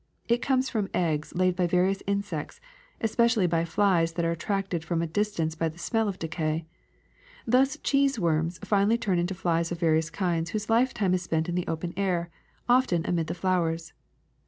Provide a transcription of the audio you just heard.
It comes from eggs laid by various insects, especially by flies that are at tracted from a distance by the smell of decay. Thus cheese worms finally turn into flies of various kinds whose lifetime is spent in the open air, often amid the flowers.